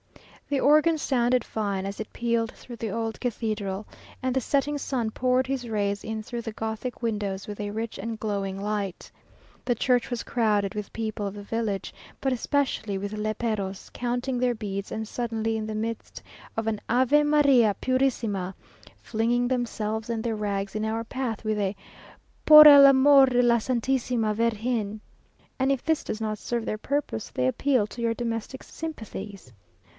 The organ sounded fine as it pealed through the old cathedral, and the setting sun poured his rays in through the Gothic windows with a rich and glowing light. The church was crowded with people of the village, but especially with léperos, counting their beads, and suddenly in the midst of an "Ave María Purísima," flinging themselves and their rags in our path with a "Por el amor de la Santísima Virgen!" and if this does not serve their purpose, they appeal to your domestic sympathies.